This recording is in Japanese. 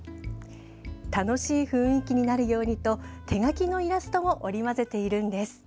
楽しい雰囲気になるようにと手描きのイラストも織り交ぜているんです。